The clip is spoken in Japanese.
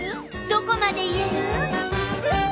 どこまでいえる？